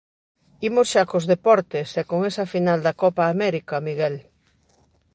Imos xa cos deportes, e con esa final da Copa América, Miguel.